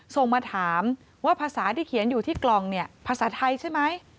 ส่งมาถามว่าภาษาที่เขียนอยู่ที่กล่องเนี่ยภาษาไทยใช่ไหม